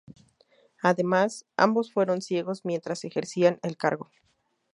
Además, ambos fueron ciegos mientras ejercían el cargo.